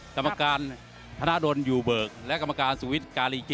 กรรมการธนดลอยู่เบิกและกรรมการสุวิทย์การีกิ